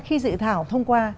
khi dự thảo thông qua